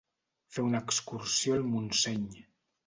Fer una excursió al Montseny.